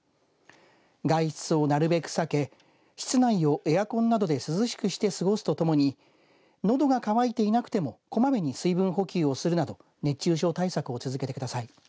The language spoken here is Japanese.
外出をなるべく避け室内をエアコンなどで涼しくして過ごすとともにのどが乾いていなくてもこまめに水分補給をするなど熱中症対策を続けてください。